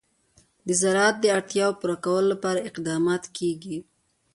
د زراعت د اړتیاوو پوره کولو لپاره اقدامات کېږي.